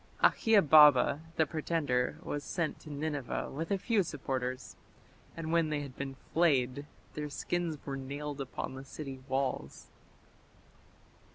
Akhiababa the pretender was sent to Nineveh with a few supporters; and when they had been flayed their skins were nailed upon the city walls.